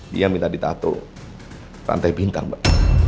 dia minta di tato rantai bintang mbak